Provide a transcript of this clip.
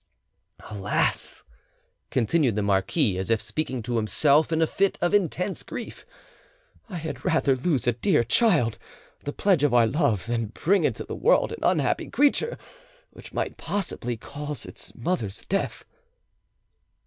"Alas!" continued the marquis, as if speaking to himself in a fit of intense grief; "I had rather lose a dear child, the pledge of our love, than bring into the world an unhappy creature which might possibly cause its mother's death."